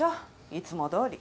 いつも通り。